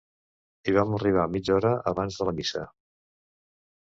Hi vam arribar mitja hora abans de la missa.